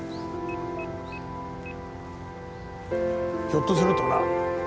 ひょっとするとな。